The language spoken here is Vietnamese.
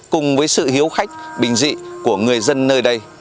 cùng với sự hiếu khách bình dị của người dân nơi đây